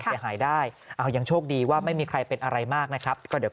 เสียหายได้เอายังโชคดีว่าไม่มีใครเป็นอะไรมากนะครับก็เดี๋ยว